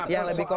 yang lebih kosong